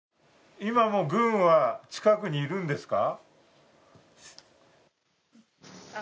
今も軍は近くにいるんですか？